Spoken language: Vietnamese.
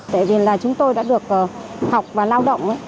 tại vì là chúng tôi đã được học và lao động